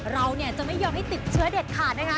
เราจะไม่ยอมให้ติดเชื้อเด็ดขาดนะคะ